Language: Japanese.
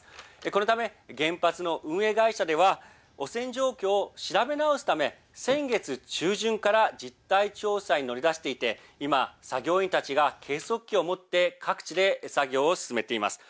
このため原発の運営会社では汚染状況を調べ直すため先月中旬から実態調査に乗り出していて今、作業員たちが計測器を持って各地で作業を進めています。